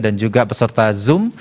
dan juga peserta zoom